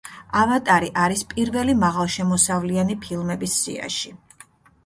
ავატარი არის პირველი მაღალშემოსავლიანი ფილმების სიაში.